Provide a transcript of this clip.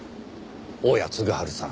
大屋嗣治さん